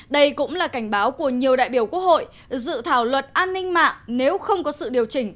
đây cũng là cảnh báo của nhiều đại biểu quốc hội dự thảo luật an ninh mạng nếu không có sự điều chỉnh